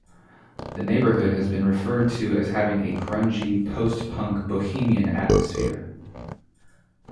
The neighborhood has been referred to as having a "grungey, post-punk bohemian" atmosphere.